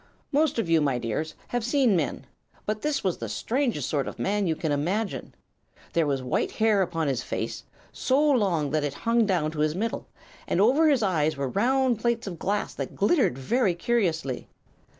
"Most of you, my dears, have seen men; but this was the strangest sort of man you can imagine. There was white hair upon his face, so long that it hung down to his middle, and over his eyes were round plates of glass that glittered very curiously.